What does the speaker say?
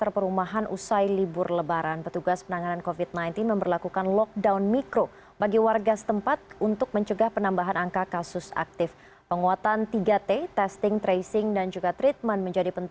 bersatu melawan covid sembilan belas